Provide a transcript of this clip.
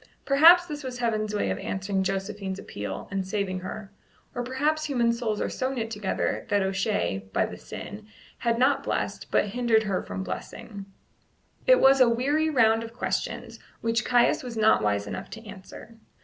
Perhaps this was Heaven's way of answering Josephine's appeal, and saving her; or perhaps human souls are so knit together that O'Shea, by the sin, had not blessed, but hindered her from blessing. It was a weary round of questions, which Caius was not wise enough to answer.